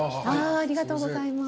ありがとうございます。